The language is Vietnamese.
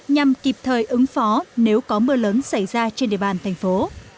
nhằm kịp thời ứng phó nếu có mưa lớn xảy ra trên địa bàn thành phố